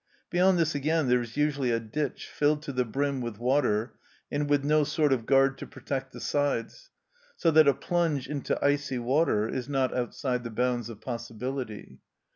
Beyond this again there is usually a ditch filled to the brim with water, and with no sort of guard to protect the sides, so that a plunge into icy water is not outside the bounds of possibility.